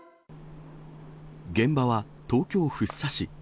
現場は、東京・福生市。